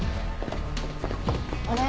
あれ？